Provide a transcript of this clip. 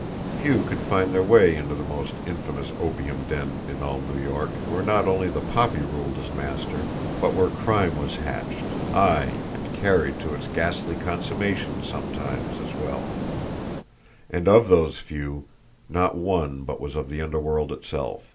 Few could find their way into the most infamous opium den in all New York, where not only the poppy ruled as master, but where crime was hatched, ay, and carried to its ghastly consummation, sometimes, as well; and of those few, not one but was of the underworld itself.